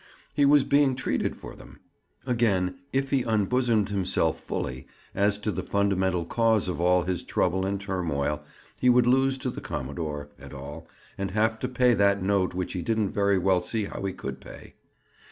He was being treated for them. Again, if he unbosomed himself fully, as to the fundamental cause of all this trouble and turmoil, he would lose to the commodore, et al., and have to pay that note which he didn't very well see how he could pay.